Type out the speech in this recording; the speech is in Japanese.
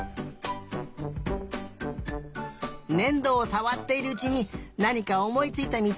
ねんどをさわっているうちになにかおもいついたみたい？